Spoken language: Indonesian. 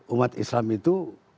umat islam itu